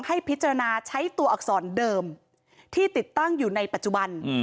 ให้พิจารณาใช้ตัวอักษรเดิมที่ติดตั้งอยู่ในปัจจุบัน